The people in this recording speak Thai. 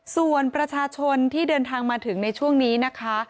ส่วนประชาชนที่เดินทางมาถึงในช่วงนี้นะคะ